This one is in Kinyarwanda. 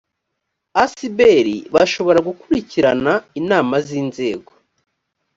asbl bashobora gukulikirana inama z’inzego